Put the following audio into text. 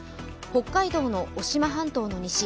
北海道の渡島半島の西